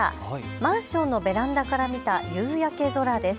マンションのベランダから見た夕焼け空です。